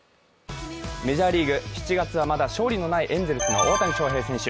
メジャーリーグ、７月はまだ勝利のないエンゼルスの大谷翔平選手。